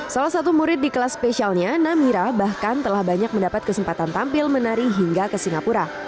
salah satu murid di kelas spesialnya namira bahkan telah banyak mendapat kesempatan tampil menari hingga ke singapura